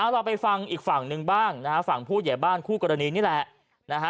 เราไปฟังอีกฝั่งหนึ่งบ้างฝั่งผู้เยี่ยบ้านคู่กรณีนี่แหละ